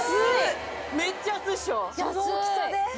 めっちゃ安いっしょ。